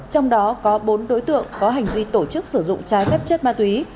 trong đó có bốn đối tượng có hành vi tổ chức sử dụng trái phép chất ma túy